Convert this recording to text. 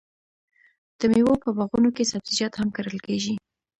د میوو په باغونو کې سبزیجات هم کرل کیږي.